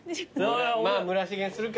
まぁ村重にするか。